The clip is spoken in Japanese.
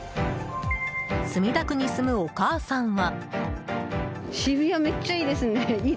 墨田区に住むお母さんは。